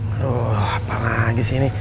aduh apa lagi sih ini